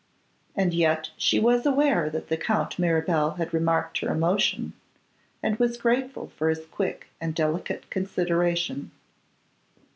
And yet she was aware that the Count Mirabel had remarked her emotion, and was grateful for his quick and delicate consideration.